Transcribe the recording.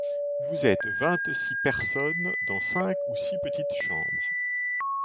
Vous êtes vingt-six personnes dans cinq ou six petites chambres.